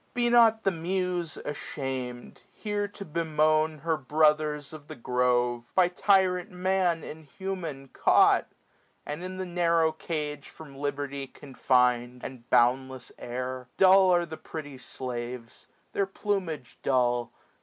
Be not the Muse asham'd, here to bemoan Her brothers of the grove, by tyrant Man 700 Inhuman caught, and in the narrow cage From liberty confined, and boundless air. Dull are the pretty slaves, their plumage dull.